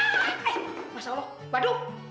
eh masya allah baduk